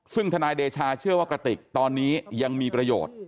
ซึ่งทนายเดชาเชื่อว่ากระติกตอนนี้ยังมีประโยชน์